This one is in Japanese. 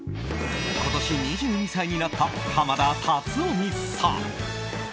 今年２２歳になった濱田龍臣さん。